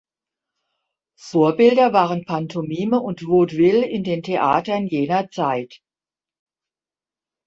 Vorbilder waren Pantomime und Vaudeville in den Theatern jener Zeit.